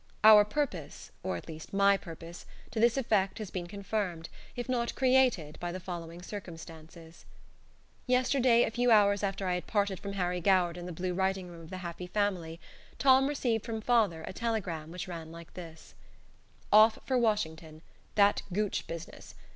Our purpose, or at least my purpose, to this effect has been confirmed, if not created, by the following circumstances: Yesterday, a few hours after I had parted from Harry Goward in the blue writing room of "The Happy Family," Tom received from father a telegram which ran like this: "Off for Washington that Gooch business.